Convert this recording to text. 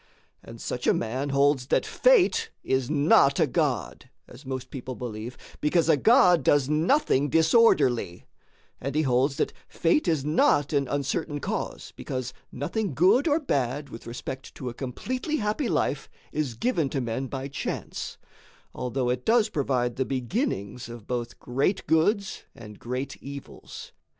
[note] And such a man holds that Fate is not a god (as most people believe) because a god does nothing disorderly, and he holds that Fate is not an uncertain cause because nothing good or bad with respect to a completely happy life is given to men by chance, although it does provide the beginnings of both great goods and great evils.